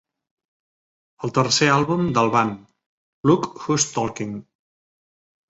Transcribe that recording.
El tercer àlbum d'Alban, "Look Who's Talking!"